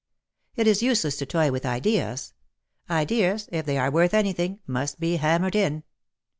It is useless to toy with Ideas. Ideas, if they are worth anything, must be hammered in.